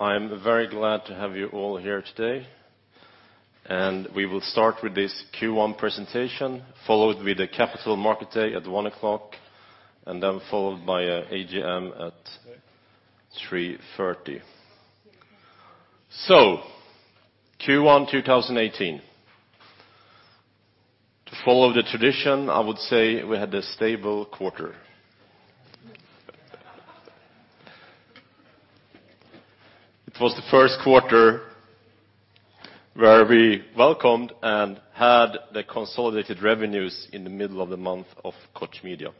I am very glad to have you all here today. We will start with this Q1 presentation, followed with the Capital Markets Day at 1:00 P.M., then followed by AGM at 3:30 P.M. Q1 2018. To follow the tradition, I would say we had a stable quarter. It was the first quarter where we welcomed and had the consolidated revenues in the middle of the month of Koch Media.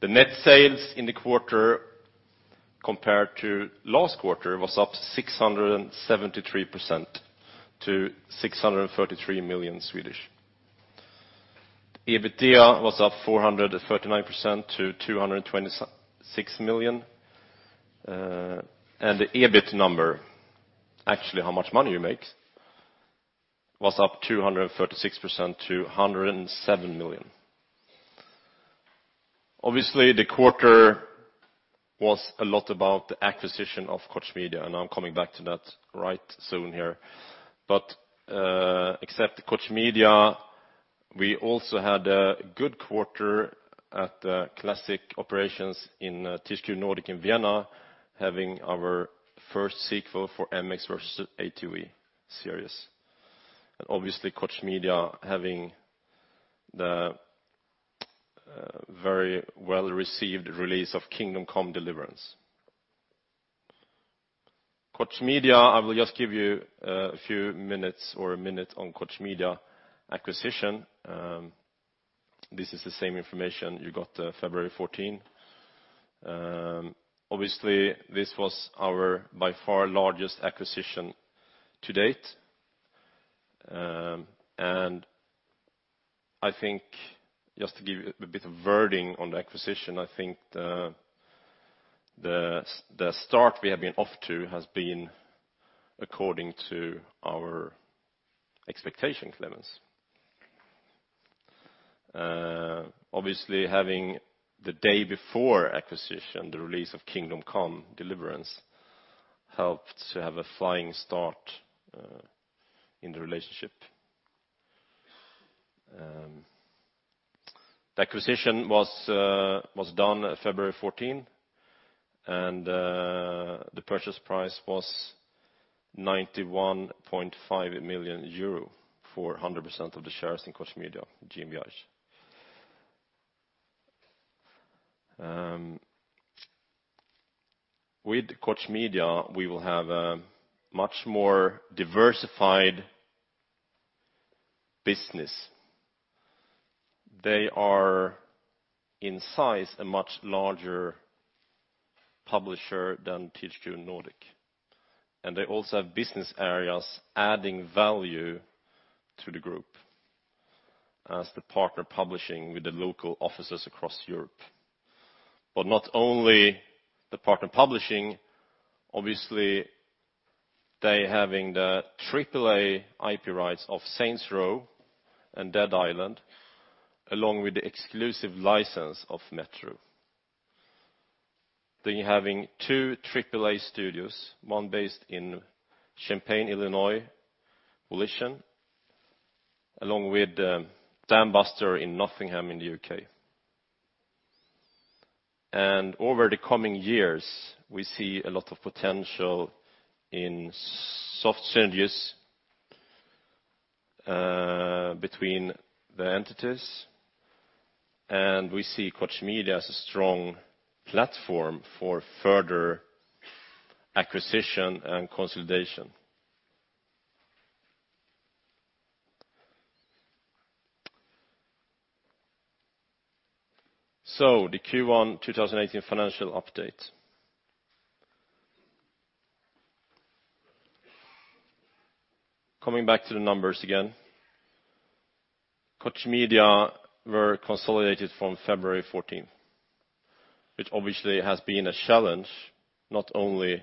The net sales in the quarter compared to last quarter was up 673% to SEK 633 million. EBITDA was up 439% to 226 million. The EBIT number, actually how much money you make, was up 236% to 107 million. Obviously, the quarter was a lot about the acquisition of Koch Media. I am coming back to that right soon here. Except Koch Media, we also had a good quarter at the classic operations in THQ Nordic and Vienna, having our first sequel for MX vs. ATV series. Obviously, Koch Media having the very well-received release of Kingdom Come: Deliverance. I will just give you a few minutes or a minute on Koch Media acquisition. This is the same information you got February 14. Obviously, this was our by far largest acquisition to date. I think just to give a bit of wording on the acquisition, I think the start we have been off to has been according to our expectation levels. Obviously, having the day before acquisition, the release of Kingdom Come: Deliverance helped to have a flying start in the relationship. The acquisition was done February 14, and the purchase price was 91.5 million euro for 100% of the shares in Koch Media GmbH. With Koch Media, we will have a much more diversified business. They are in size a much larger publisher than THQ Nordic, and they also have business areas adding value to the group as the partner publishing with the local offices across Europe. Not only the partner publishing, obviously, they are having the AAA IP rights of Saints Row and Dead Island, along with the exclusive license of Metro. They are having two AAA studios, one based in Champaign, Illinois, Volition, along with Dambuster in Nottingham in the U.K. Over the coming years, we see a lot of potential in soft synergies between the entities, and we see Koch Media as a strong platform for further acquisition and consolidation. The Q1 2018 financial update. Coming back to the numbers again. Koch Media were consolidated from February 14, which obviously has been a challenge, not only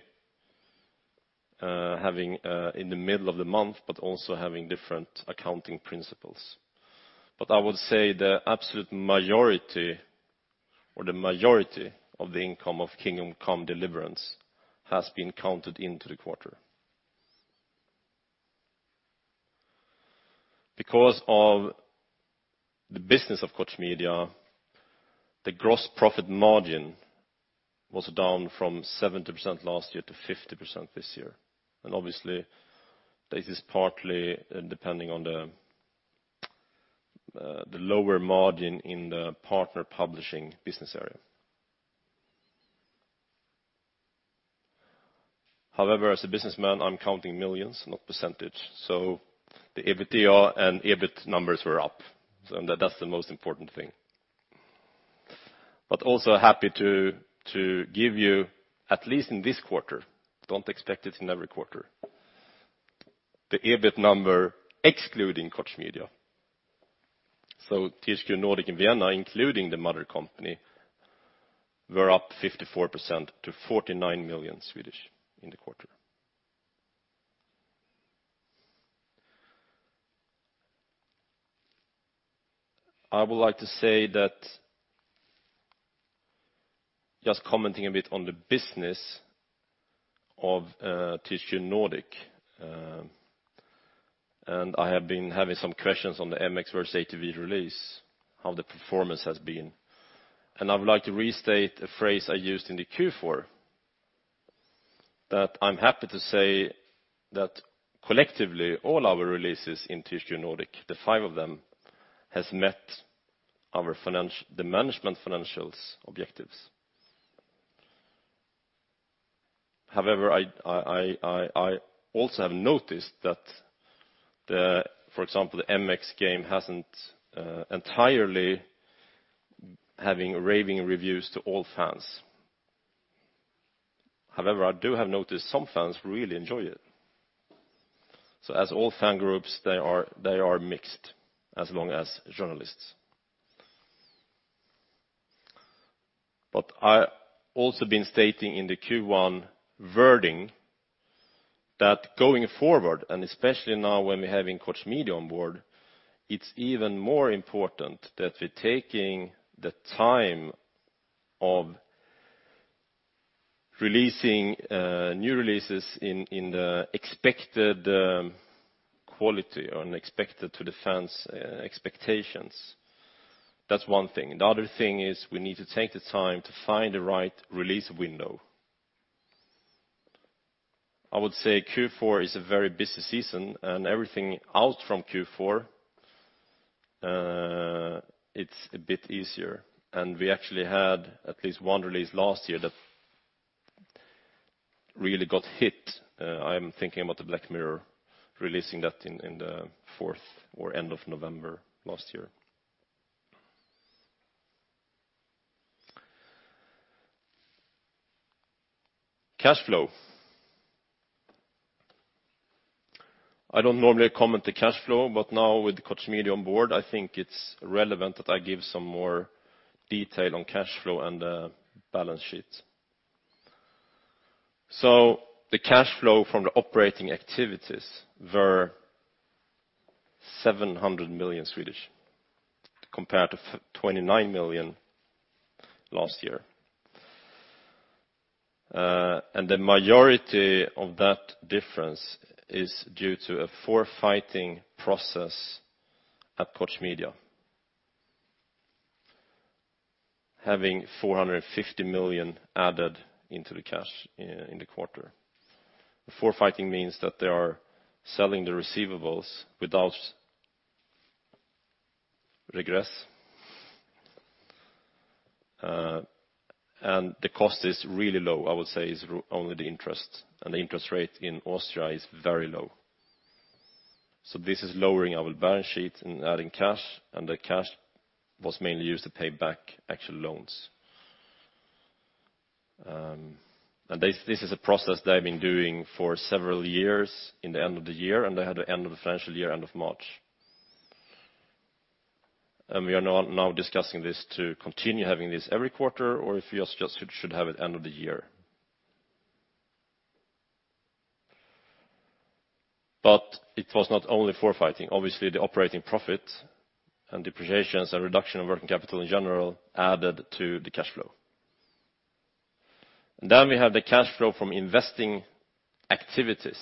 having in the middle of the month, but also having different accounting principles. I would say the absolute majority or the majority of the income of Kingdom Come: Deliverance has been counted into the quarter. Because of the business of Koch Media, the gross profit margin was down from 70% last year to 50% this year. Obviously, this is partly depending on the lower margin in the partner publishing business area. However, as a businessman, I am counting millions, not percentage. The EBITDA and EBIT numbers were up. That's the most important thing. Also happy to give you, at least in this quarter, don't expect it in every quarter. The EBIT number excluding Koch Media. THQ Nordic in Vienna, including the mother company, were up 54% to 49 million in the quarter. I would like to say that, just commenting a bit on the business of THQ Nordic, and I have been having some questions on the "MX vs. ATV" release, how the performance has been. I would like to restate a phrase I used in the Q4, that I am happy to say that collectively, all our releases in THQ Nordic, the five of them, has met the management financials objectives. However, I also have noticed that, for example, the "MX" game hasn't entirely having raving reviews to all fans. However, I do have noticed some fans really enjoy it. As all fan groups, they are mixed, as long as journalists. I also been stating in the Q1 wording that going forward, especially now when we're having Koch Media on board, it's even more important that we're taking the time of releasing new releases in the expected quality or expected to the fans' expectations. That's one thing. The other thing is we need to take the time to find the right release window. I would say Q4 is a very busy season, and everything out from Q4, it's a bit easier. We actually had at least one release last year that really got hit. I am thinking about the "Black Mirror," releasing that in the fourth or end of November last year. Cash flow. I don't normally comment the cash flow, but now with Koch Media on board, I think it's relevant that I give some more detail on cash flow and the balance sheet. The cash flow from the operating activities were 700 million, compared to 29 million last year. The majority of that difference is due to a forfaiting process at Koch Media, having 450 million added into the cash in the quarter. The forfaiting means that they are selling the receivables without recourse. The cost is really low. I would say it's only the interest, and the interest rate in Austria is very low. This is lowering our balance sheet and adding cash, and the cash was mainly used to pay back actual loans. This is a process they've been doing for several years in the end of the year, and they had the end of the financial year end of March. We are now discussing this to continue having this every quarter or if we just should have it end of the year. It was not only forfaiting. Obviously, the operating profit and depreciations and reduction of working capital in general added to the cash flow. We have the cash flow from investing activities,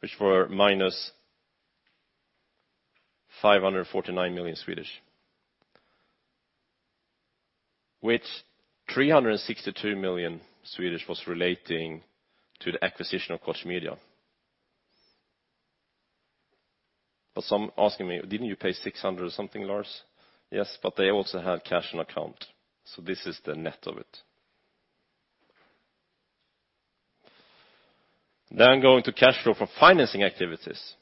which were minus 549 million. Of which 362 million was relating to the acquisition of Koch Media. Some asking me, "Didn't you pay 600 or something, Lars?" Yes, but they also had cash on account. This is the net of it. Going to cash flow from financing activities,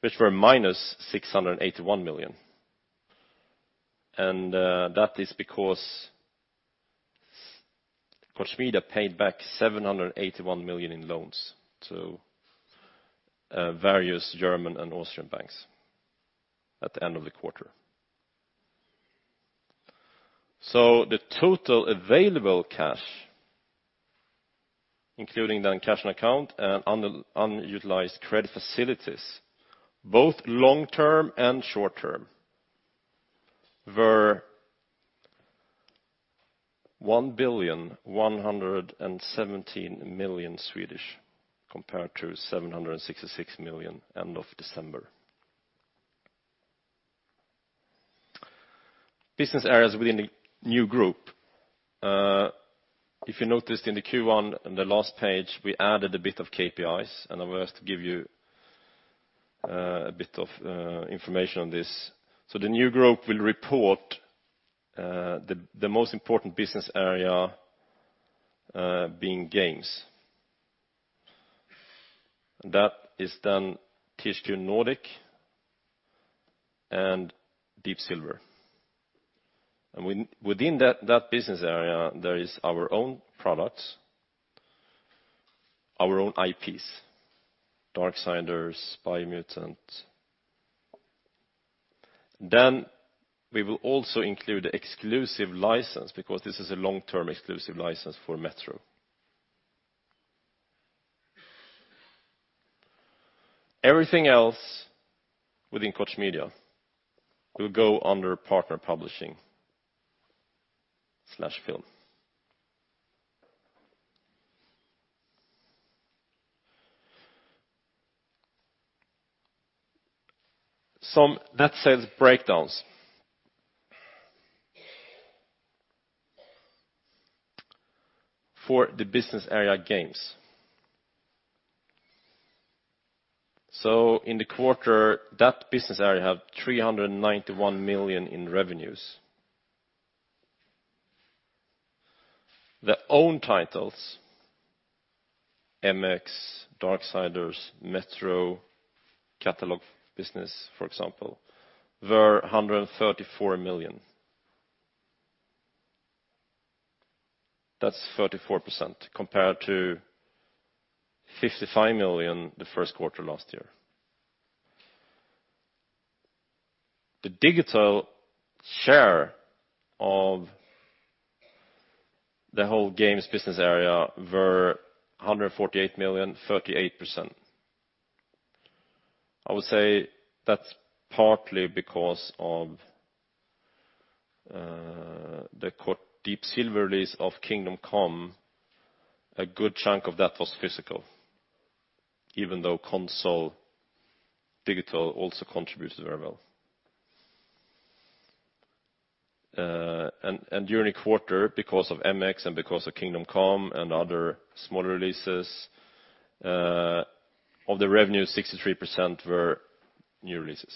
which were minus 681 million. That is because Koch Media paid back 781 million in loans to various German and Austrian banks at the end of the quarter. The total available cash, including then cash on account and unutilized credit facilities, both long-term and short-term, were 1 billion 117 million, compared to 766 million end of December. Business areas within the new group. If you noticed in the Q1 on the last page, we added a bit of KPIs, and I was to give you a bit of information on this. The new group will report the most important business area being games. That is then THQ Nordic and Deep Silver. Within that business area, there is our own products, our own IPs, "Darksiders," "Biomutant." Then we will also include exclusive license because this is a long-term exclusive license for "Metro." Everything else within Koch Media will go under partner publishing/film. Some net sales breakdowns for the business area games. In the quarter, that business area had 391 million in revenues. The own titles, "MX," "Darksiders," "Metro" catalog business, for example, were SEK 134 million. That's 34% compared to 55 million the first quarter last year. The digital share of the whole games business area were 148 million, 38%. I would say that's partly because of the Deep Silver release of "Kingdom Come." A good chunk of that was physical, even though console digital also contributed very well. During the quarter, because of "MX" and because of "Kingdom Come" and other smaller releases, of the revenue, 63% were new releases.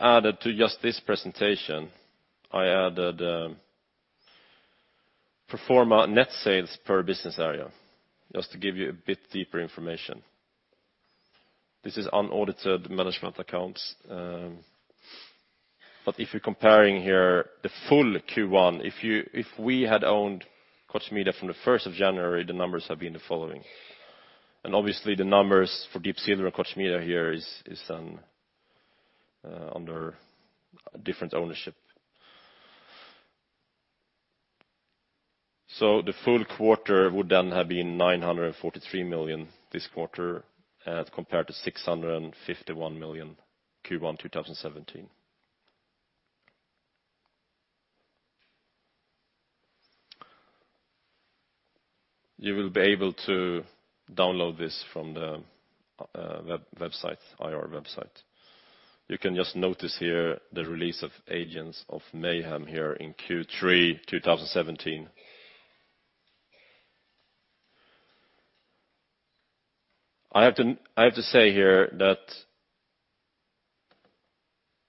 Added to just this presentation, I added pro forma net sales per business area, just to give you a bit deeper information. This is unaudited management accounts. If you're comparing here the full Q1, if we had owned Koch Media from the 1st of January, the numbers have been the following. Obviously the numbers for Deep Silver and Koch Media here is then under different ownership. The full quarter would then have been 943 million this quarter as compared to 651 million Q1 2017. You will be able to download this from the IR website. You can just notice here the release of "Agents of Mayhem" here in Q3 2017. I have to say here that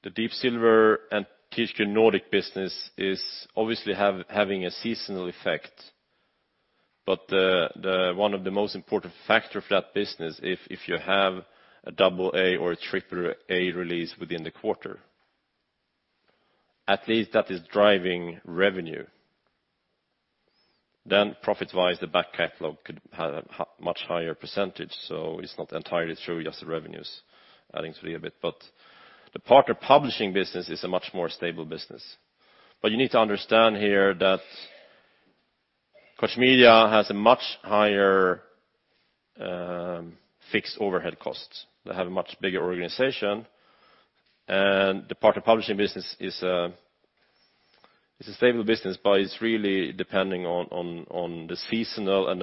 the Deep Silver and THQ Nordic business is obviously having a seasonal effect. One of the most important factor of that business, if you have an AA or an AAA release within the quarter, at least that is driving revenue. Profit-wise, the back catalog could have a much higher percentage, so it's not entirely true, just the revenues adding to it a bit. The partner publishing business is a much more stable business. You need to understand here that Koch Media has a much higher fixed overhead cost. They have a much bigger organization, the partner publishing business is a stable business, but it's really depending on the seasonal and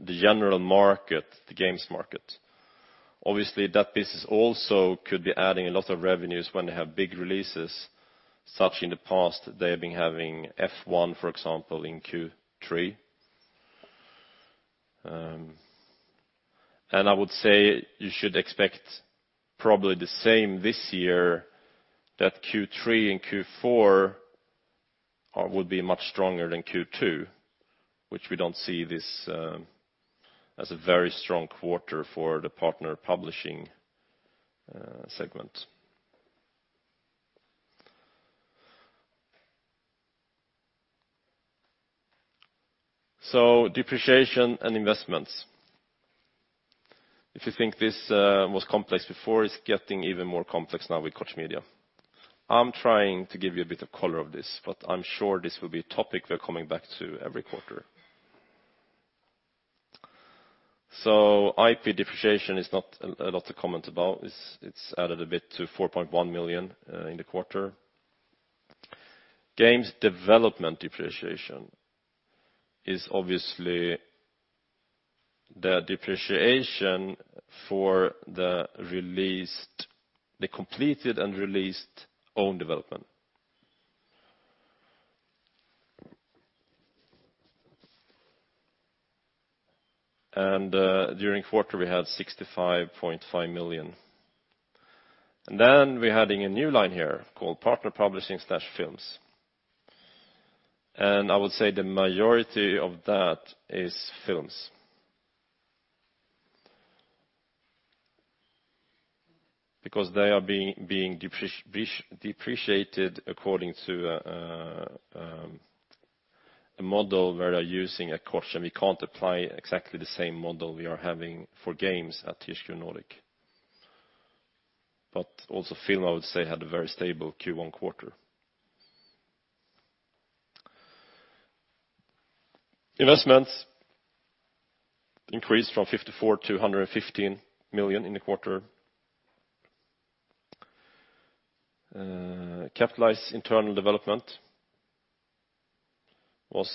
the general market, the games market. Obviously, that business also could be adding a lot of revenues when they have big releases, such in the past they've been having "F1," for example, in Q3. I would say you should expect probably the same this year, that Q3 and Q4 would be much stronger than Q2, which we don't see this as a very strong quarter for the partner publishing segment. Depreciation and investments. If you think this was complex before, it's getting even more complex now with Koch Media. I'm trying to give you a bit of color of this, I'm sure this will be a topic we're coming back to every quarter. IP depreciation is not a lot to comment about. It's added a bit to 4.1 million in the quarter. Games development depreciation is obviously the depreciation for the completed and released own development. During the quarter, we had 65.5 million. We are adding a new line here called partner publishing/films. I would say the majority of that is films. They are being depreciated according to a model where they're using a quotient. We can't apply exactly the same model we are having for games at THQ Nordic. Also Film, I would say, had a very stable Q1 quarter. Investments increased from 54 million to 115 million in the quarter. Capitalized internal development was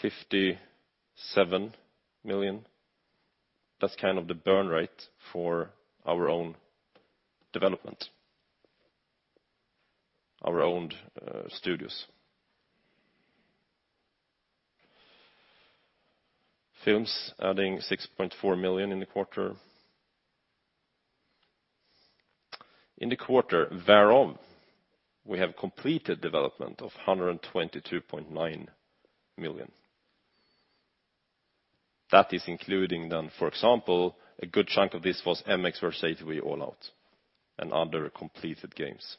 57 million. That's the burn rate for our own development, our owned studios. Films adding 6.4 million in the quarter. In the quarter, thereof, we have completed development of 122.9 million. That is including, for example, a good chunk of this was MX vs. ATV All Out and other completed games.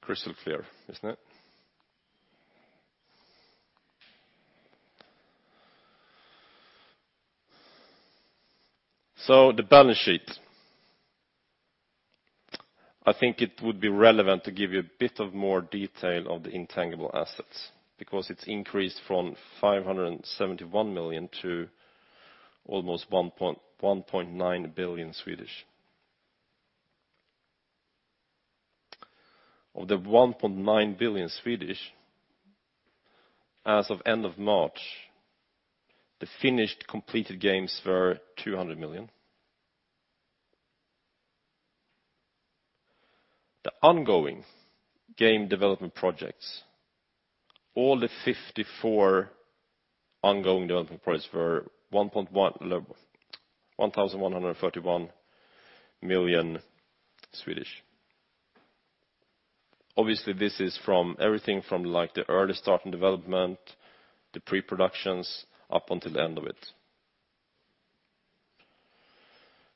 Crystal clear, isn't it? The balance sheet. I think it would be relevant to give you a bit more detail of the intangible assets because it's increased from 571 million to almost 1.9 billion. Of the 1.9 billion as of end of March, the finished completed games were 200 million. The ongoing game development projects, all the 54 ongoing development projects were SEK 1,131 million. Obviously, this is everything from the early start in development, the pre-productions, up until the end of it.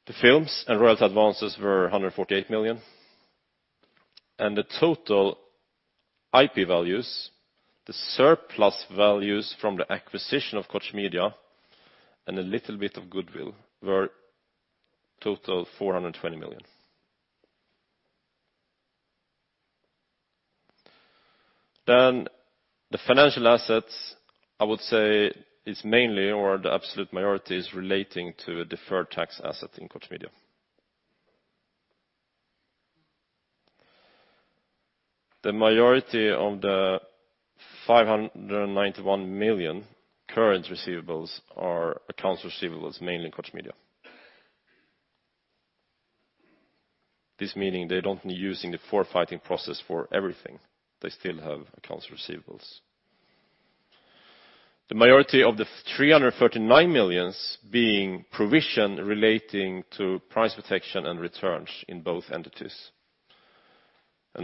The films and royalty advances were 148 million, the total IP values, the surplus values from the acquisition of Koch Media, and a little bit of goodwill were total 420 million. The financial assets, I would say, is mainly, or the absolute majority is relating to a deferred tax asset in Koch Media. The majority of the 591 million current receivables are accounts receivables, mainly in Koch Media. This meaning they don't using the forfaiting process for everything. They still have accounts receivables. The majority of the 339 million being provision relating to price protection and returns in both entities.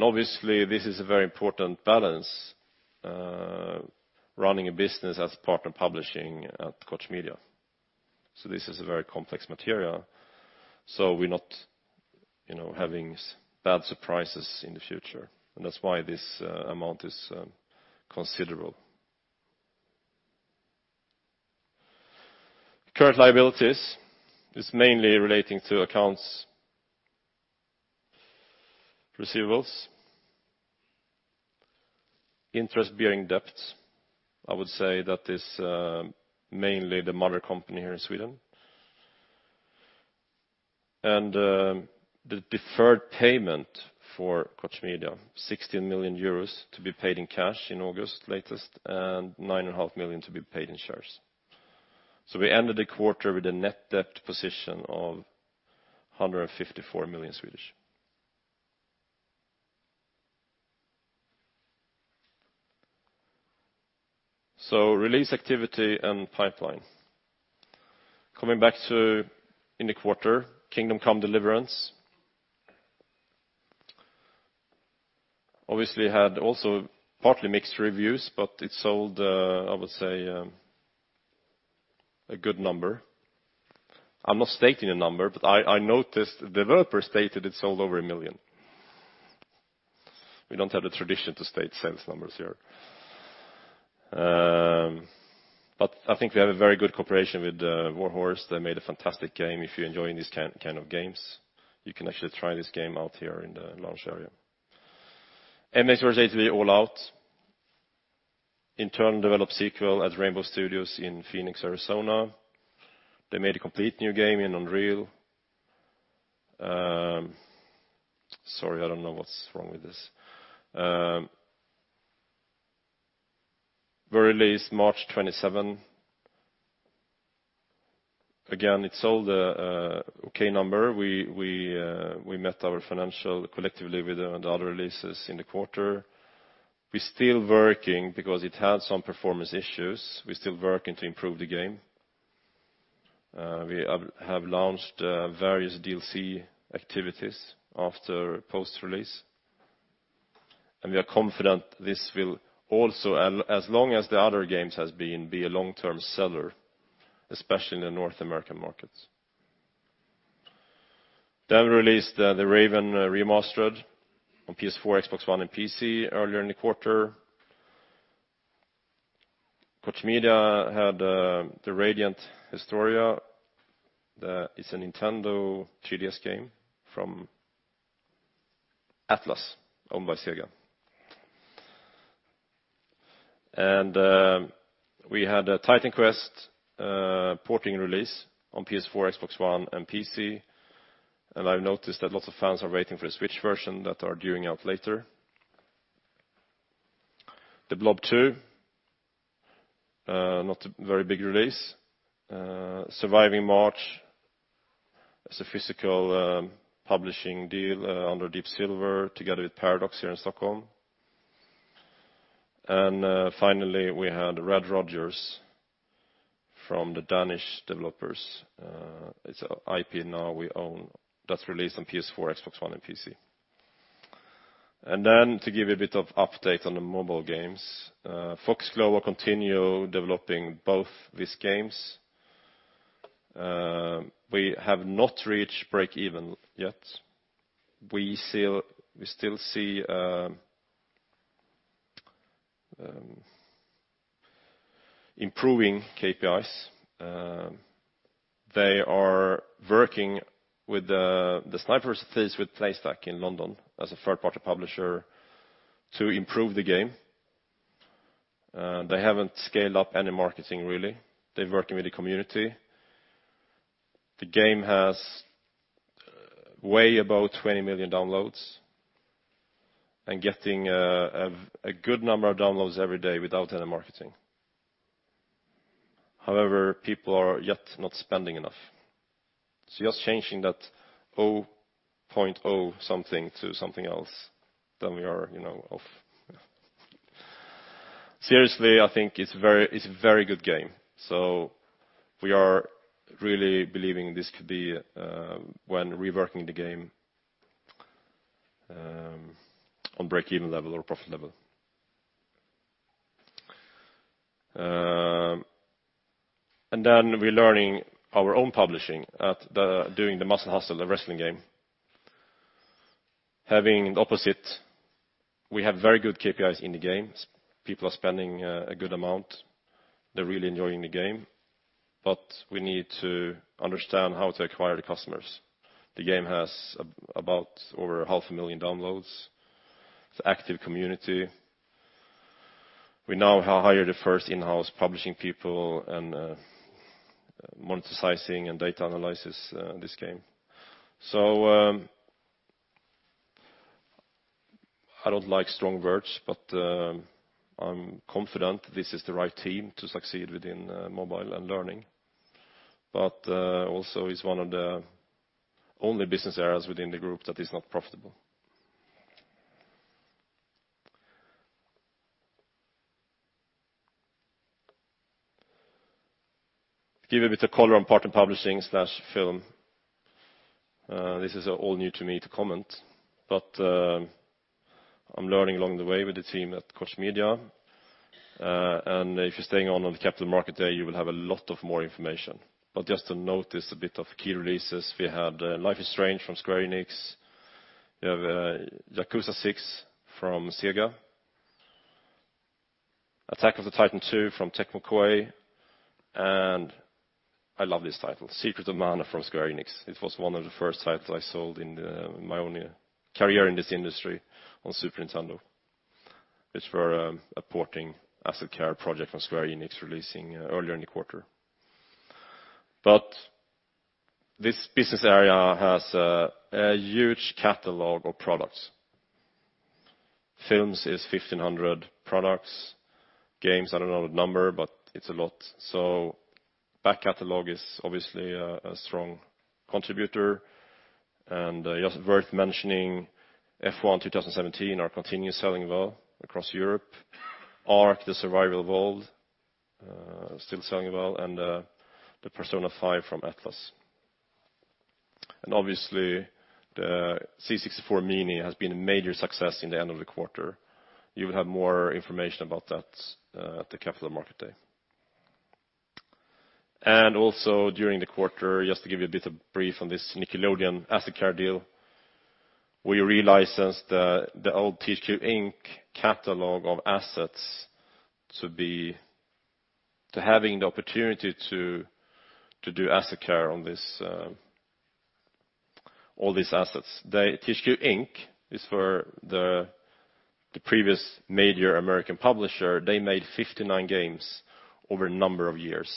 Obviously, this is a very important balance, running a business as partner publishing at Koch Media. This is a very complex material. We're not having bad surprises in the future. That's why this amount is considerable. Current liabilities is mainly relating to accounts receivables. Interest-bearing debts, I would say that is mainly the mother company here in Sweden. The deferred payment for Koch Media, 60 million euros to be paid in cash in August latest, and 9.5 million to be paid in shares. We ended the quarter with a net debt position of 154 million. Release activity and pipeline. Coming back to in the quarter, Kingdom Come: Deliverance obviously had also partly mixed reviews, but it sold, I would say, a good number. I'm not stating a number, but I noticed the developer stated it sold over 1 million. We don't have the tradition to state sales numbers here. I think we have a very good cooperation with Warhorse. They made a fantastic game. If you're enjoying these kind of games, you can actually try this game out here in the lounge area. MX vs. ATV All Out in turn developed sequel at Rainbow Studios in Phoenix, Arizona. They made a complete new game in Unreal. Sorry, I don't know what's wrong with this. It was released March 27. Again, it sold an okay number. We met our financial collectively with the other releases in the quarter. We're still working because it had some performance issues. We're still working to improve the game. We have launched various DLC activities after post-release. We are confident this will also, as long as the other games have been, be a long-term seller, especially in the North American markets. We released The Raven Remastered on PS4, Xbox One, and PC earlier in the quarter. Koch Media had the Radiant Historia. That is a Nintendo 3DS game from Atlus, owned by Sega. We had a Titan Quest porting release on PS4, Xbox One, and PC. I've noticed that lots of fans are waiting for a Switch version that are due out later. de Blob 2, not a very big release. Surviving Mars is a physical publishing deal under Deep Silver together with Paradox here in Stockholm. Finally, we had Rad Rodgers from the Danish developers. It's an IP now we own that's released on PS4, Xbox One, and PC. To give you a bit of update on the mobile games. Foxglove will continue developing both these games. We have not reached break-even yet. We still see improving KPIs. They are working with the Snipers vs. Thieves with Playstack in London as a third-party publisher to improve the game. They haven't scaled up any marketing really. They're working with the community. The game has way above 20 million downloads and getting a good number of downloads every day without any marketing. However, people are yet not spending enough. Just changing that 0.0 something to something else, then we are off. Seriously, I think it's a very good game, we are really believing this could be when reworking the game on break-even level or profit level. We're learning our own publishing at doing The Muscle Hustle, the wrestling game. Having the opposite, we have very good KPIs in the games. People are spending a good amount. They're really enjoying the game, but we need to understand how to acquire the customers. The game has about over half a million downloads. It's an active community. We now have hired the first in-house publishing people and monetizing and data analysis this game. I don't like strong words, but I'm confident this is the right team to succeed within mobile and learning. It's one of the only business areas within the group that is not profitable. Give a bit of color on partner publishing/film. This is all new to me to comment, but I'm learning along the way with the team at Koch Media. If you're staying on the Capital Markets Day, you will have a lot of more information. Just to note, there's a bit of key releases. We had Life is Strange from Square Enix. We have Yakuza 6 from Sega. Attack on Titan 2 from Koei Tecmo, I love this title, Secret of Mana from Square Enix. It was one of the first titles I sold in my own career in this industry on Super Nintendo, which we're porting asset care project from Square Enix releasing earlier in the quarter. This business area has a huge catalog of products. Films is 1,500 products. Games, I don't know the number, but it's a lot. Back catalog is obviously a strong contributor, just worth mentioning F1 2017 are continued selling well across Europe. ARK: Survival Evolved still selling well, the Persona 5 from Atlus. Obviously, THEC64 Mini has been a major success in the end of the quarter. You will have more information about that at the Capital Markets Day. Also during the quarter, just to give you a bit of brief on this Nickelodeon asset care deal, we re-licensed the old THQ Inc. catalog of assets to having the opportunity to do asset care on all these assets. THQ Inc. is for the previous major American publisher. They made 59 games over a number of years.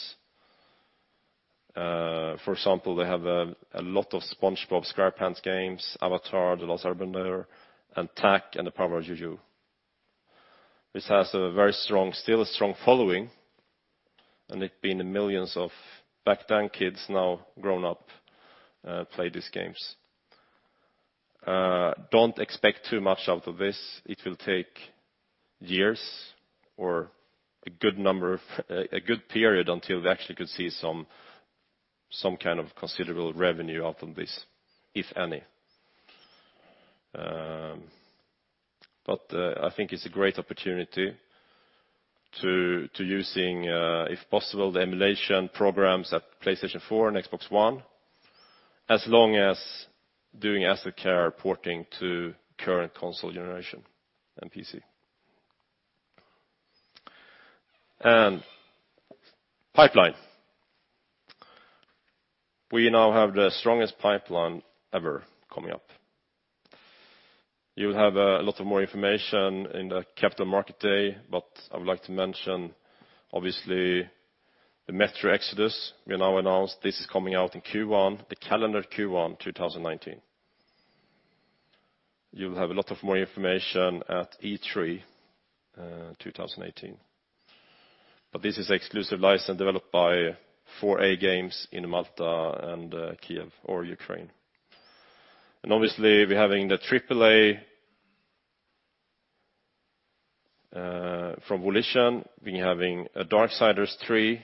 For example, they have a lot of SpongeBob SquarePants games, Avatar: The Last Airbender, and Tak and the Power of Juju. This has still a strong following, and it's been millions of back then kids now grown up play these games. Don't expect too much out of this. It will take years or a good period until we actually could see some kind of considerable revenue out of this, if any. I think it's a great opportunity to using, if possible, the emulation programs at PlayStation 4 and Xbox One, as long as doing asset care porting to current console generation and PC. Pipeline. We now have the strongest pipeline ever coming up. You'll have a lot of more information in the Capital Markets Day, I would like to mention, obviously, the Metro Exodus. We now announced this is coming out in Q1, the calendar Q1 2019. You'll have a lot of more information at E3 2018. This is exclusive license developed by 4A Games in Malta and Kyiv or Ukraine. Obviously we're having the AAA from Volition. We're having a Darksiders III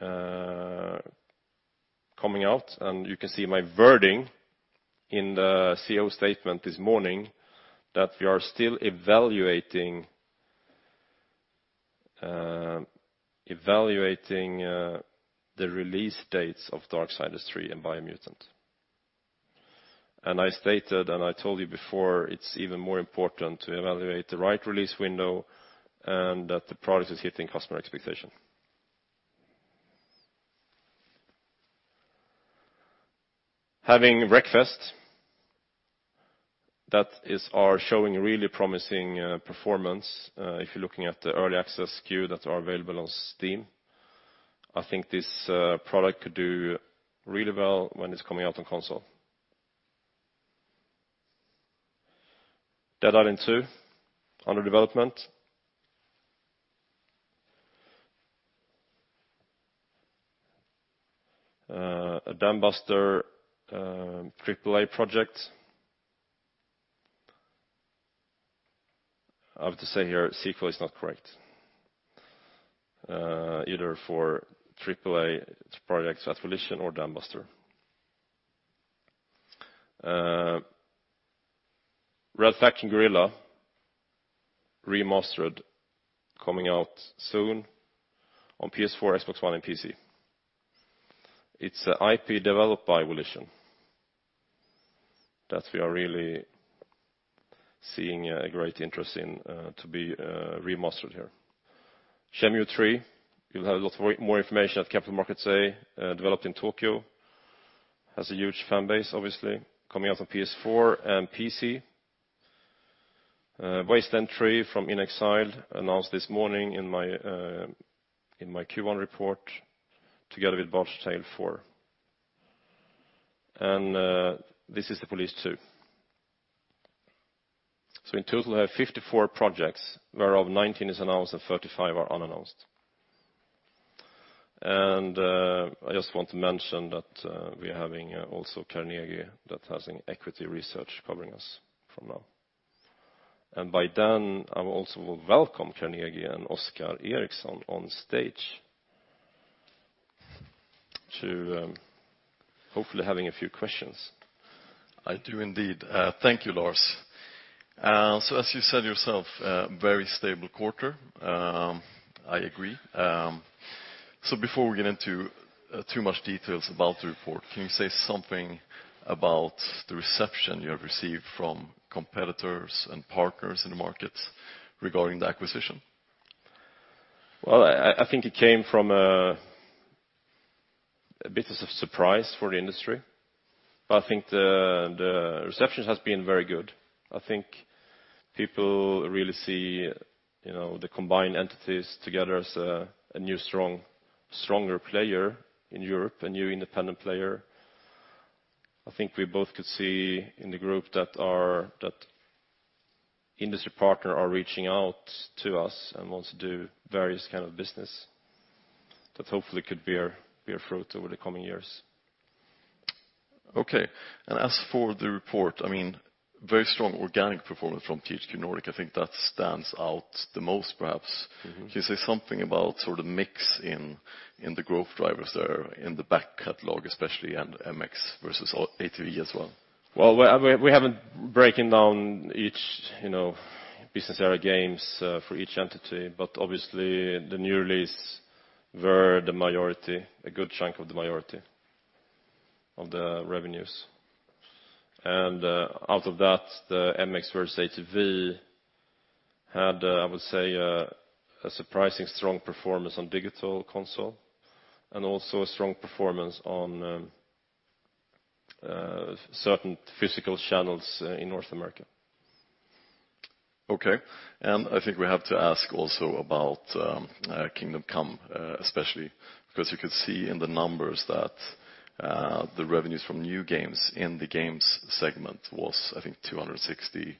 coming out. You can see my wording in the CEO statement this morning that we are still evaluating the release dates of Darksiders III and Biomutant. I stated, I told you before, it's even more important to evaluate the right release window and that the product is hitting customer expectation. Having Wreckfest that is are showing really promising performance. If you're looking at the Early Access queue that are available on Steam, I think this product could do really well when it's coming out on console. Dead Island 2 under development. A Dambuster AAA project. I have to say here, sequel is not correct either for AAA projects at Volition or Dambuster. Red Faction: Guerrilla remastered coming out soon on PS4, Xbox One, and PC. It's an IP developed by Volition that we are really seeing a great interest in to be remastered here. Shenmue III, you'll have a lot of more information at Capital Markets Day, developed in Tokyo, has a huge fan base, obviously, coming out on PS4 and PC. Wasteland 3 from inXile announced this morning in my Q1 report together with The Bard's Tale IV. This Is the Police 2. In total we have 54 projects, whereof 19 is announced and 35 are unannounced. I just want to mention that we are having also Carnegie that has an equity research covering us from now. By Dan, I will also welcome Carnegie and Oscar Erixon on stage to hopefully having a few questions. I do indeed. Thank you, Lars. As you said yourself, very stable quarter. I agree. Before we get into too much details about the report, can you say something about the reception you have received from competitors and partners in the market regarding the acquisition? Well, I think it came from a bit of surprise for the industry, but I think the reception has been very good. I think people really see the combined entities together as a new, stronger player in Europe, a new independent player. I think we both could see in the group that industry partner are reaching out to us and want to do various kind of business that hopefully could bear fruit over the coming years. Okay. As for the report, very strong organic performance from THQ Nordic. I think that stands out the most, perhaps. Can you say something about sort of mix in the growth drivers there in the back catalog especially, and MX vs. ATV as well? Well, we haven't broken down each business area games for each entity, obviously the new release were the majority, a good chunk of the majority of the revenues. Out of that, the MX vs. ATV had, I would say, a surprising strong performance on digital console and also a strong performance on certain physical channels in North America. Okay. I think we have to ask also about Kingdom Come, especially because you could see in the numbers that the revenues from new games in the games segment was, I think, 260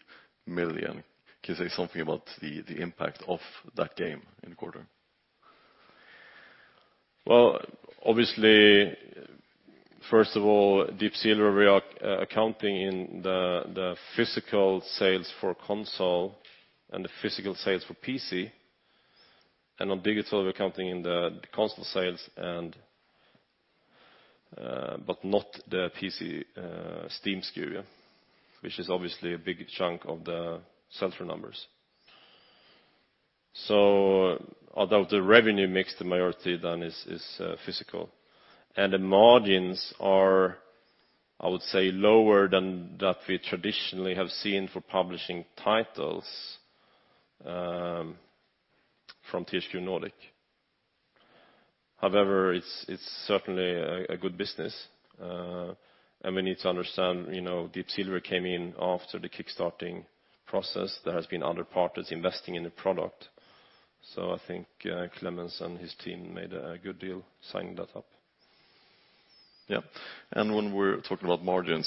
million. Can you say something about the impact of that game in the quarter? Well, obviously, first of all, Deep Silver, we are accounting in the physical sales for console and the physical sales for PC On digital, we're counting in the console sales, but not the PC Steam SKU, which is obviously a big chunk of the sell-through numbers. Although the revenue mix, the majority then is physical. The margins are, I would say, lower than that we traditionally have seen for publishing titles from THQ Nordic. However, it's certainly a good business, and we need to understand Deep Silver came in after the Kickstarter process. There has been other partners investing in the product. I think Klemens and his team made a good deal signing that up. Yeah. When we're talking about margins,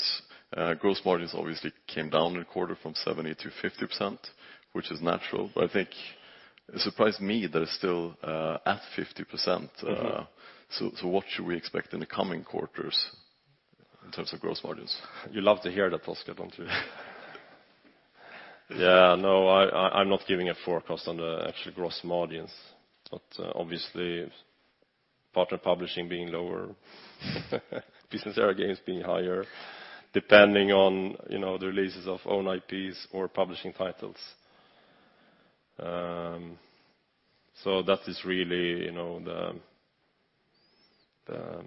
gross margins obviously came down in the quarter from 70%-50%, which is natural. I think it surprised me that it's still at 50%. What should we expect in the coming quarters in terms of gross margins? You love to hear that, Oscar, don't you? No, I'm not giving a forecast on the actual gross margins. Obviously partner publishing being lower, business area games being higher, depending on the releases of own IPs or publishing titles. That is really the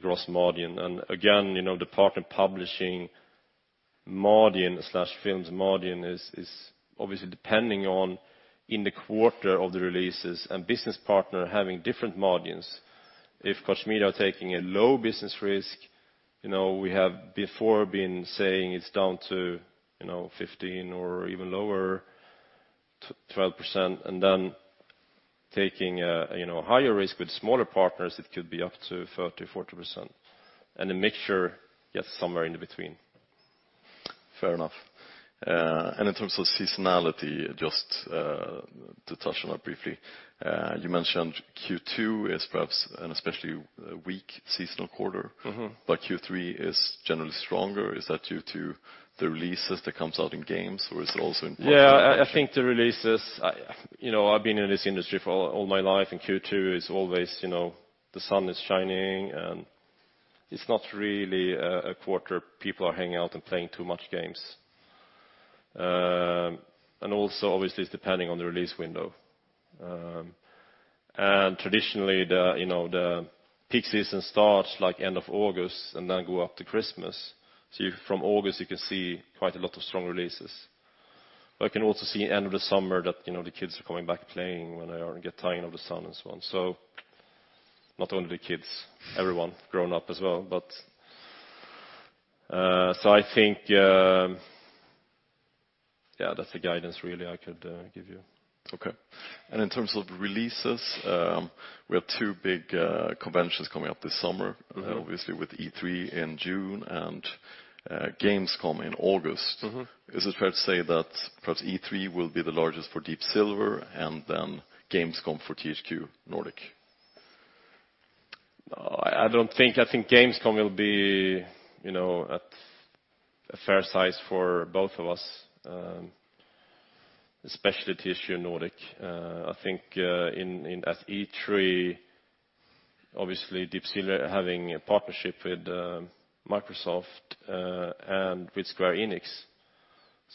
gross margin. Again, the partner publishing margin/films margin is obviously depending on in the quarter of the releases and business partner having different margins. If Koch Media are taking a low business risk, we have before been saying it's down to 15% or even lower, 12%. Then taking higher risk with smaller partners, it could be up to 30%-40%. The mixture, somewhere in between. Fair enough. In terms of seasonality, just to touch on that briefly. You mentioned Q2 is perhaps an especially weak seasonal quarter. Q3 is generally stronger. Is that due to the releases that comes out in games or is it also in partner publishing? I think the releases. I've been in this industry for all my life, Q2 is always the sun is shining and it's not really a quarter people are hanging out and playing too much games. Also obviously it's depending on the release window. Traditionally the peak season starts end of August and then go up to Christmas. From August you can see quite a lot of strong releases. I can also see end of the summer that the kids are coming back playing when they are get tired of the sun and so on. Not only the kids, everyone grown up as well. I think that's the guidance really I could give you. Okay. In terms of releases, we have two big conventions coming up this summer. Obviously with E3 in June and Gamescom in August. Is it fair to say that perhaps E3 will be the largest for Deep Silver and then Gamescom for THQ Nordic? No, I think Gamescom will be at a fair size for both of us, especially THQ Nordic. I think at E3, obviously Deep Silver having a partnership with Microsoft, and with Square Enix.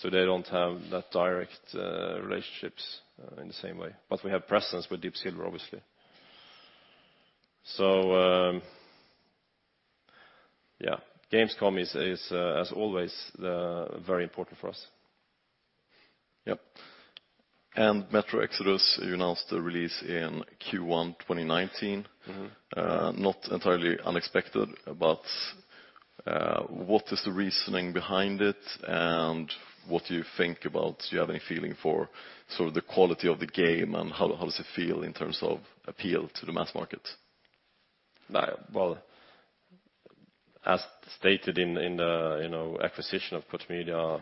They don't have that direct relationship in the same way. We have presence with Deep Silver, obviously. Yeah, Gamescom is as always, very important for us. Yep. "Metro Exodus," you announced the release in Q1 2019. Not entirely unexpected, what is the reasoning behind it and what do you think about, do you have any feeling for sort of the quality of the game and how does it feel in terms of appeal to the mass market? Well, as stated in the acquisition of Koch Media,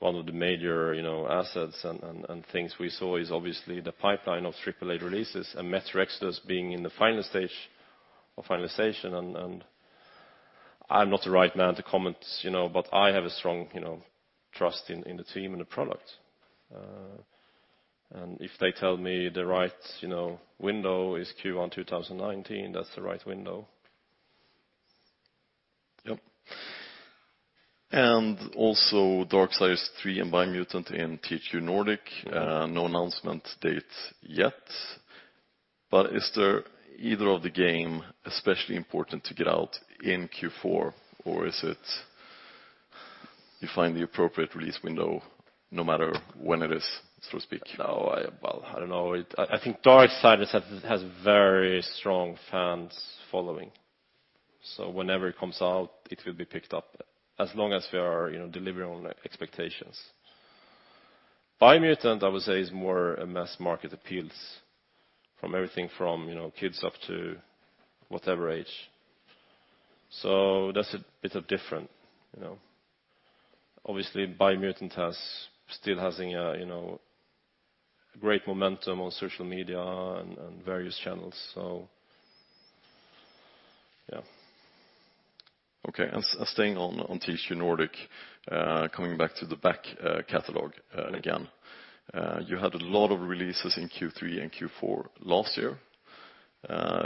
one of the major assets and things we saw is obviously the pipeline of AAA releases and "Metro Exodus" being in the final stage of finalization and I'm not the right man to comment, but I have a strong trust in the team and the product. If they tell me the right window is Q1 2019, that's the right window. Yep. Also "Darksiders III" and "Biomutant" in THQ Nordic. No announcement date yet. Is there either of the game especially important to get out in Q4? Is it you find the appropriate release window no matter when it is, so to speak? No, well, I don't know. I think Darksiders has a very strong fans following. Whenever it comes out, it will be picked up as long as we are delivering on the expectations. Biomutant, I would say, is more a mass market appeal from everything from kids up to whatever age. That's a bit of different. Obviously Biomutant still has a great momentum on social media and on various channels. Yeah. Okay. Staying on THQ Nordic, coming back to the back catalog again. You had a lot of releases in Q3 and Q4 last year.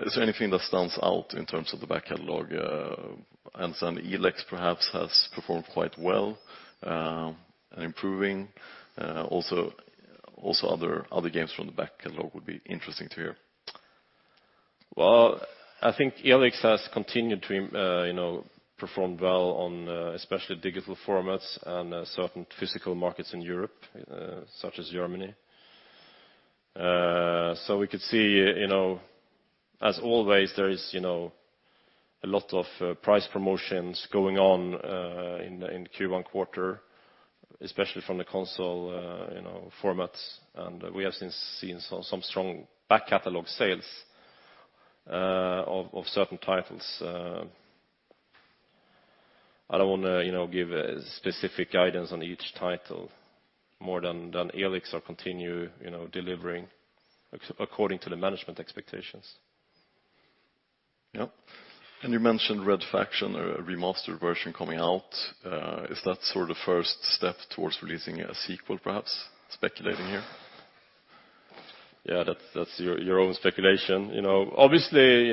Is there anything that stands out in terms of the back catalog? I understand ELEX perhaps has performed quite well and improving. Other games from the back catalog would be interesting to hear. Well, I think ELEX has continued to perform well on especially digital formats and certain physical markets in Europe, such as Germany. We could see, as always, there is a lot of price promotions going on in Q1, especially from the console formats. We have since seen some strong back-catalog sales of certain titles. I don't want to give specific guidance on each title more than ELEX will continue delivering according to the management expectations. Yeah. You mentioned Red Faction, a remastered version coming out. Is that sort of first step towards releasing a sequel, perhaps? Speculating here. Yeah, that's your own speculation. Obviously,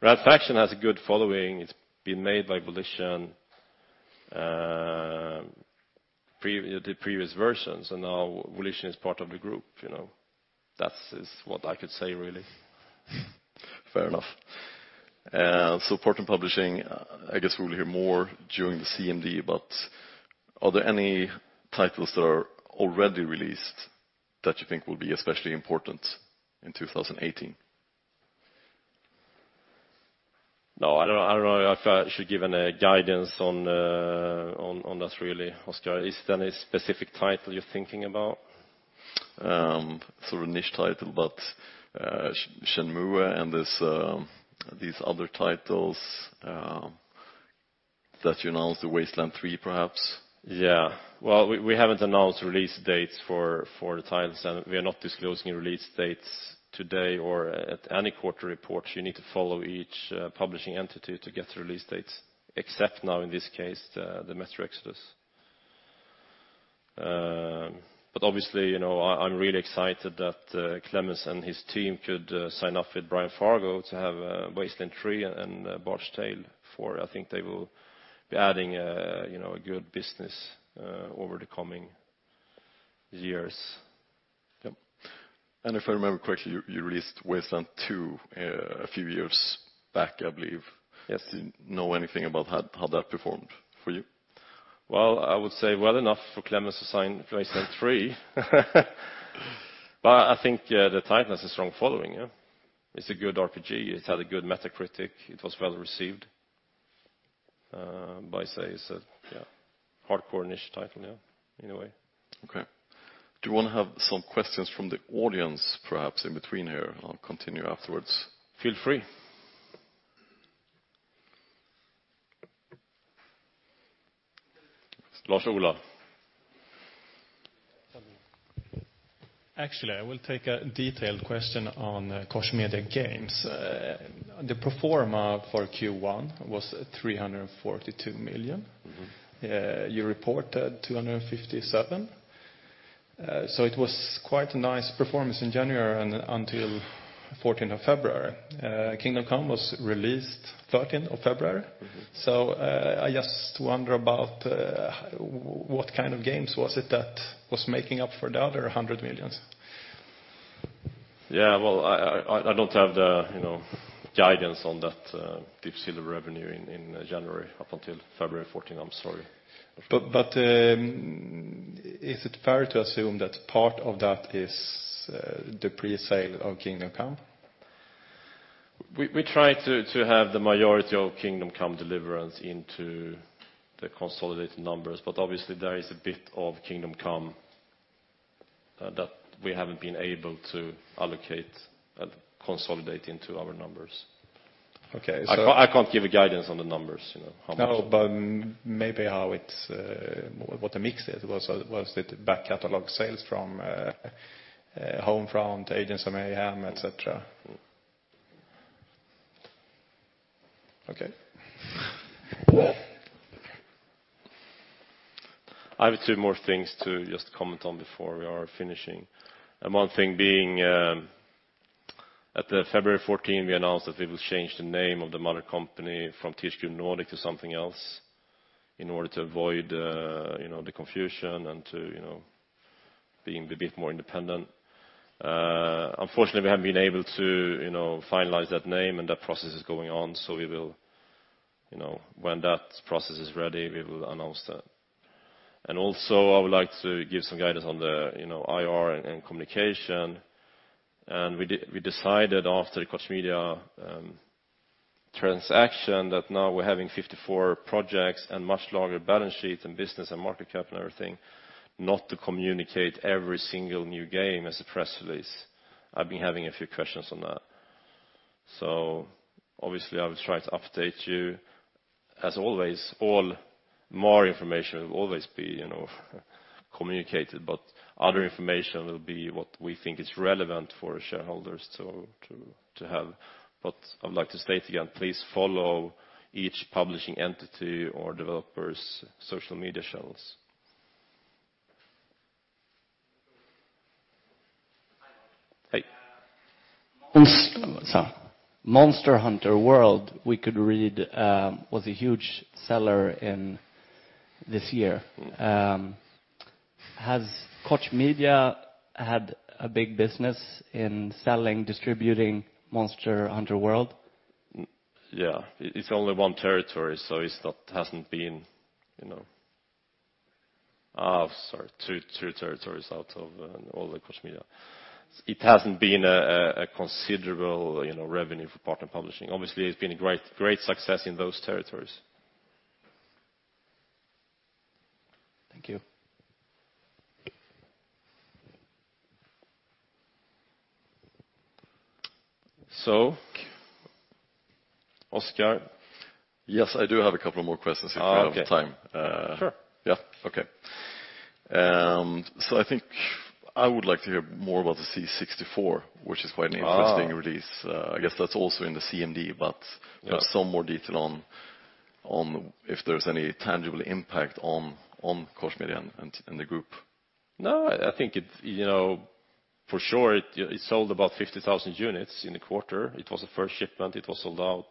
Red Faction has a good following. It's been made by Volition, the previous versions, and now Volition is part of the group. That is what I could say, really. Fair enough. Port and publishing, I guess we will hear more during the CMD. Are there any titles that are already released that you think will be especially important in 2018? No, I don't know if I should give any guidance on that really, Oscar. Is there any specific title you're thinking about? Sort of niche title. Shenmue and these other titles that you announced, Wasteland 3, perhaps. Yeah. Well, we haven't announced release dates for the titles. We are not disclosing release dates today or at any quarter reports. You need to follow each publishing entity to get the release dates, except now in this case, the Metro Exodus. Obviously, I'm really excited that Klemens and his team could sign up with Brian Fargo to have Wasteland 3 and Bard's Tale 4. I think they will be adding a good business over the coming years. Yep. If I remember correctly, you released Wasteland 2 a few years back, I believe. Yes. Do you know anything about how that performed for you? Well, I would say well enough for Klemens to sign Wasteland 3. I think the title has a strong following, yeah. It's a good RPG. It had a good Metacritic. It was well-received. I say it's a, yeah, hardcore niche title, yeah, in a way. Okay. Do you want to have some questions from the audience, perhaps, in between here? I will continue afterwards. Feel free. Lars-Ola. Actually, I will take a detailed question on Koch Media Games. The pro forma for Q1 was 342 million. You reported 257. It was quite a nice performance in January until 14th of February. Kingdom Come was released 13th of February. I just wonder about what kind of games was it that was making up for the other 100 million. I don't have the guidance on that Deep Silver revenue in January up until February 14. I'm sorry. Is it fair to assume that part of that is the presale of Kingdom Come? We try to have the majority of Kingdom Come: Deliverance into the consolidated numbers, obviously there is a bit of Kingdom Come that we haven't been able to allocate and consolidate into our numbers. Okay. I can't give a guidance on the numbers. No, maybe what the mix is. Was it back-catalog sales from Homefront, Agents of Mayhem, et cetera? Okay. I have two more things to just comment on before we are finishing. One thing being at the February 14, we announced that we will change the name of the mother company from THQ Nordic to something else in order to avoid the confusion and to be a bit more independent. Unfortunately, we haven't been able to finalize that name, and that process is going on. When that process is ready, we will announce that. Also, I would like to give some guidance on the IR and communication. We decided after the Koch Media transaction that now we're having 54 projects and much larger balance sheets and business and market cap and everything, not to communicate every single new game as a press release. I've been having a few questions on that. Obviously, I will try to update you. Always, more information will always be communicated, but other information will be what we think is relevant for shareholders to have. I would like to state again, please follow each publishing entity or developer's social media channels. Hi. Hi. Monster Hunter: World, we could read, was a huge seller this year. Has Koch Media had a big business in selling, distributing Monster Hunter: World? Yeah. It's only two territories out of all the Koch Media. It hasn't been a considerable revenue for partner publishing. It's been a great success in those territories. Thank you. Oscar? Yes, I do have a couple of more questions if we have time. Okay. Sure. Okay. I think I would like to hear more about the C64, which is quite an interesting release. I guess that's also in the CMD. Yeah I would like some more detail on if there's any tangible impact on Koch Media and the group. No, I think for sure it sold about 50,000 units in a quarter. It was a first shipment. It was sold out.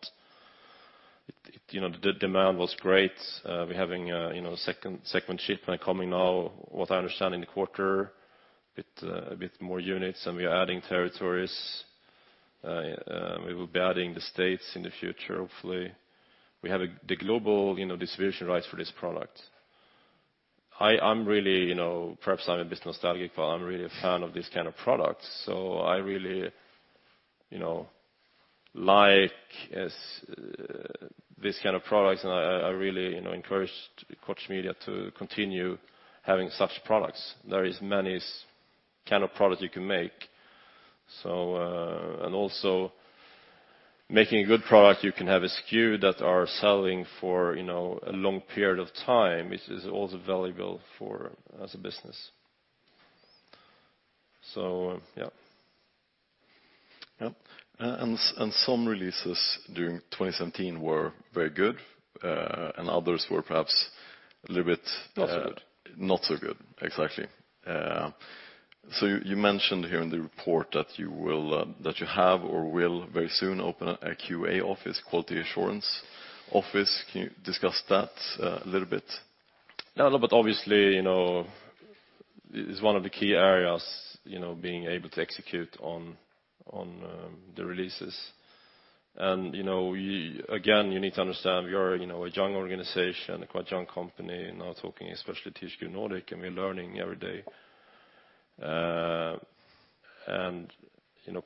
The demand was great. We're having a second shipment coming now. What I understand in the quarter, a bit more units and we are adding territories. We will be adding the States in the future, hopefully. We have the global distribution rights for this product. Perhaps I'm a bit nostalgic, but I'm really a fan of this kind of product. I really like this kind of product, and I really encouraged Koch Media to continue having such products. There is many kind of product you can make. Also making a good product, you can have a SKU that are selling for a long period of time is also valuable as a business. Yeah. Yep. Some releases during 2017 were very good, and others were perhaps a little bit- Not so good. Not so good, exactly. You mentioned here in the report that you have or will very soon open a QA office, quality assurance office. Can you discuss that a little bit? Yeah, obviously, it's one of the key areas, being able to execute on the releases. Again, you need to understand we are a young organization, a quite young company, now talking especially THQ Nordic, and we are learning every day.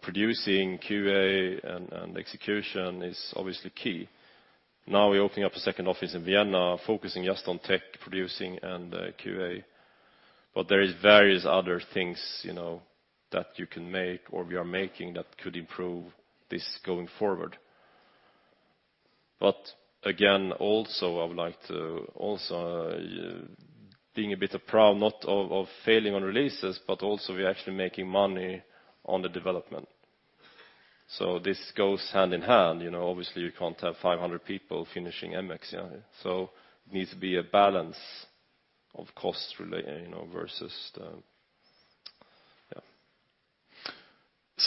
Producing QA and execution is obviously key. Now we're opening up a second office in Vienna focusing just on tech producing and QA. There is various other things that you can make or we are making that could improve this going forward. Again, also I would like to also being a bit of proud not of failing on releases, but also we are actually making money on the development. This goes hand in hand. Obviously you can't have 500 people finishing "MX vs. ATV." It needs to be a balance of cost versus the Yeah.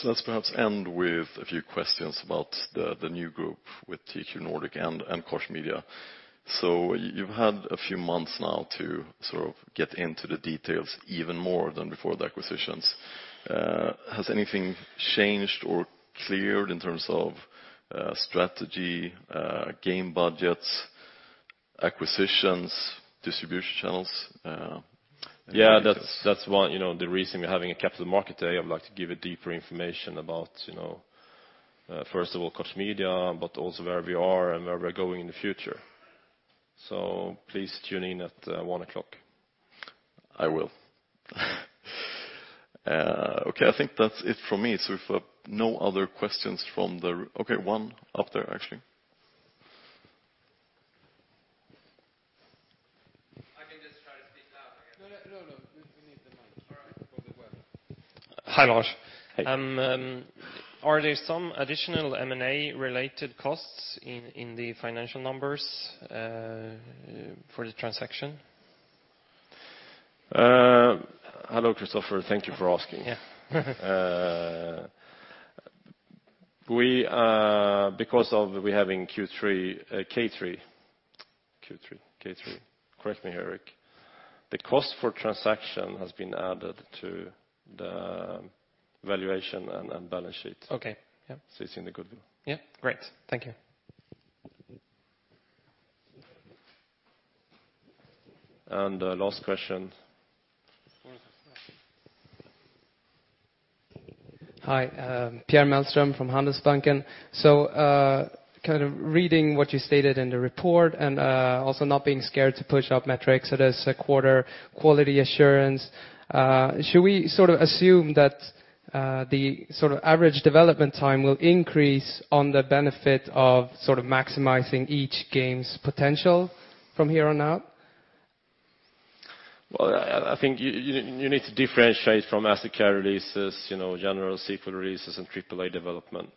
Let's perhaps end with a few questions about the new group with THQ Nordic and Koch Media. You've had a few months now to sort of get into the details even more than before the acquisitions. Has anything changed or cleared in terms of strategy, game budgets, acquisitions, distribution channels, anything? That's the reason we're having a Capital Markets Day. I'd like to give a deeper information about, first of all Koch Media, but also where we are and where we're going in the future. Please tune in at 1:00 P.M. I will. I think that's it from me. If no other questions from the Okay, one up there, actually. I can just try to speak loud. No, no. We need the mic. All right. For the web. Hi, Lars. Hi. Are there some additional M&A related costs in the financial numbers for the transaction? Hello, Christopher. Thank you for asking. Yeah. Because of we having Q3, K3, correct me, Erik. The cost for transaction has been added to the valuation and balance sheet. Okay. Yeah. It is in the goodwill. Yeah. Great. Thank you. Last question. Hi. Pierre Mellström from Handelsbanken. Reading what you stated in the report and also not being scared to push up metrics, so there is a quarter quality assurance. Should we sort of assume that the sort of average development time will increase on the benefit of maximizing each game's potential from here on out? Well, I think you need to differentiate from asset care releases, general sequel releases, and AAA development.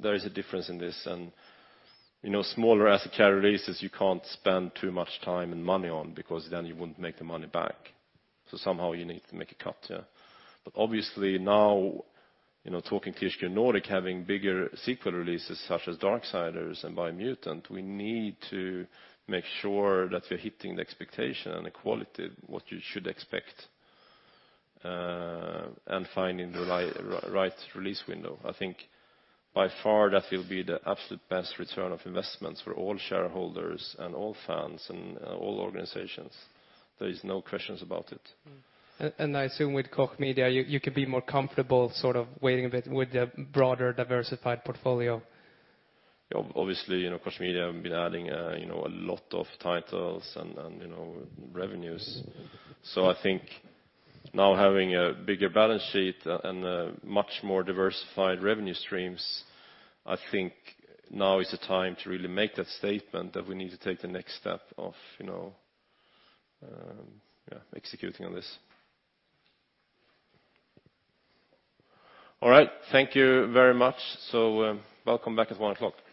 There is a difference in this, and smaller asset care releases you can't spend too much time and money on because then you wouldn't make the money back. Somehow you need to make a cut. Obviously now, talking THQ Nordic, having bigger sequel releases such as Darksiders and Biomutant, we need to make sure that we're hitting the expectation and the quality of what you should expect, and finding the right release window. I think by far that will be the absolute best return of investments for all shareholders and all fans and all organizations. There is no questions about it. I assume with Koch Media, you could be more comfortable sort of waiting a bit with the broader diversified portfolio. Obviously, Koch Media have been adding a lot of titles and revenues. I think now having a bigger balance sheet and a much more diversified revenue streams, I think now is the time to really make that statement that we need to take the next step of executing on this. All right. Thank you very much. Welcome back at 1:00 P.M.